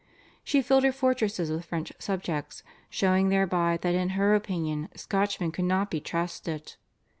She filled her fortresses with French subjects, showing thereby that in her opinion Scotchmen could not be trusted.